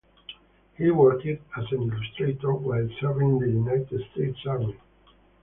He worked as an illustrator while serving in the United States Army.